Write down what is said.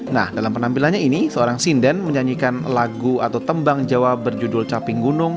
nah dalam penampilannya ini seorang sinden menyanyikan lagu atau tembang jawa berjudul caping gunung